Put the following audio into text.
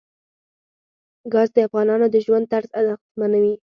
ګاز د افغانانو د ژوند طرز اغېزمنوي.